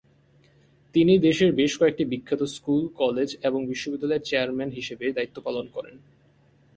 তিনি দেশের বেশ কয়েকটি বিখ্যাত স্কুল, কলেজ এবং বিশ্ববিদ্যালয়ের চেয়ারম্যান হিসাবে দায়িত্ব পালন করেন।